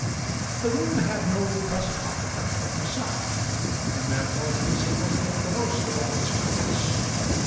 The room had no present occupant but himself, and therefore he was able to make the most of all its comforts.